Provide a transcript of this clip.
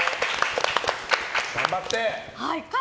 頑張って！